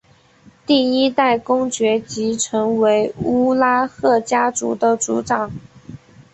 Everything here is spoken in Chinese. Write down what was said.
第一代公爵即成为乌拉赫家族的族长。